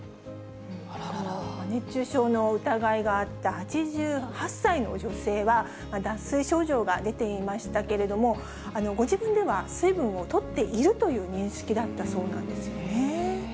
熱中症の疑いがあった８８歳の女性は、脱水症状が出ていましたけれども、ご自分では水分をとっているという認識だったそうなんですよね。